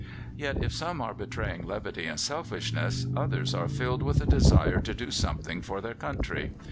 Yet, if some are betraying levity and selfishness, others are filled with a desire to do something for their country.